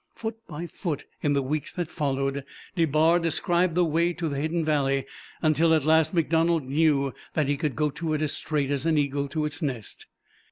Foot by foot, in the weeks that followed, DeBar described the way to the hidden valley, until at last MacDonald knew that he could go to it as straight as an eagle to its nest.